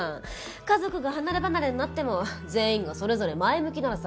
家族が離ればなれになっても全員がそれぞれ前向きならさ。